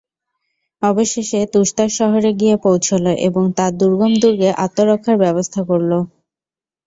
অবশেষে তুসতার শহরে গিয়ে পৌঁছল এবং তার দূর্গম দূর্গে আত্মরক্ষার ব্যবস্থা করল।